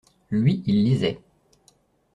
Lui, il lisait.